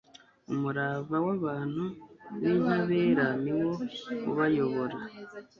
umurava w'abantu b'intabera ni wo ubayobora